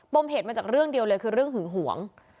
มเหตุมาจากเรื่องเดียวเลยคือเรื่องหึงหวง